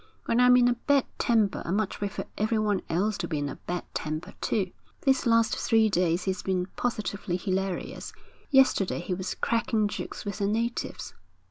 When I'm in a bad temper, I much prefer everyone else to be in a bad temper, too.' 'These last three days he's been positively hilarious. Yesterday he was cracking jokes with the natives.'